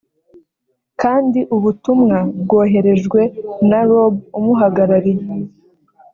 kandi ubutumwa bwoherejwe na Rob umuhagarariye